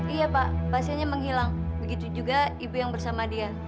iya pak pasiennya menghilang begitu juga ibu yang bersama dia